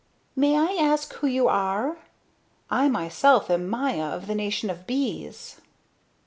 "May I ask who you are? I myself am Maya of the nation of bees."